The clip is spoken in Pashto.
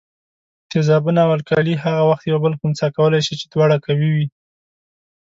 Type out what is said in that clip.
تیزابونه او القلي هغه وخت یو بل خنثي کولای شي چې دواړه قوي وي.